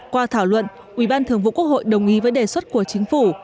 qua thảo luận ubth đồng ý với đề xuất của chính phủ